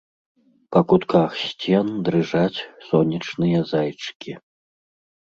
Па кутках сцен дрыжаць сонечныя зайчыкі.